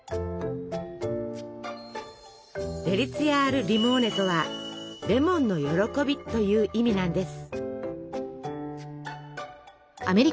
デリツィアアルリモーネとは「レモンの歓び」という意味なんです。